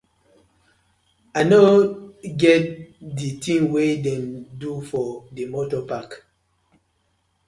I no get di tin wey dem do for di motor park.